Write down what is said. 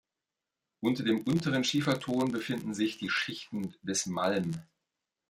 Unter dem Unteren Schieferton befinden sich die Schichten des Malm.